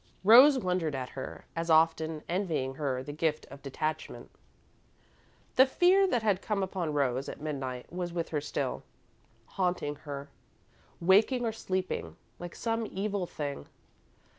Rose wondered at her, as often, envying her the gift of detachment. The fear that had come upon Rose at midnight was with her still, haunting her, waking or sleeping, like some evil thing.